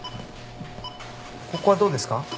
ここはどうですか？